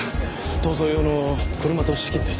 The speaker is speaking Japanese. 逃走用の車と資金です。